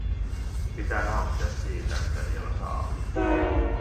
Pitää nauttia siitä, mitä vielä saa.